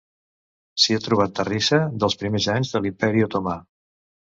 S'hi ha trobat terrissa dels primers anys de l'Imperi otomà.